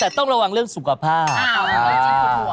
แต่ต้องระวังเรื่องสุขภาพ